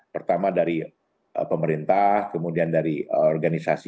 pertama dari pemerintah kemudian dari organisasi